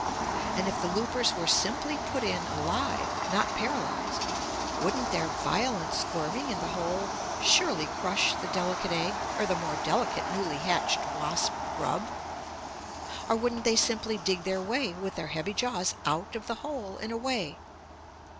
And if the loopers were simply put in alive, not paralyzed, wouldn't their violent squirming in the hole surely crush the delicate egg or the more delicate newly hatched wasp grub? Or wouldn't they simply dig their way with their heavy jaws out of the hole and away?